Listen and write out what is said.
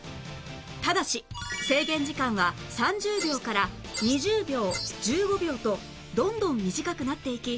ただし制限時間は３０秒から２０秒１５秒とどんどん短くなっていき